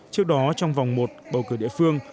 trước đó trong vòng một bầu cử địa phương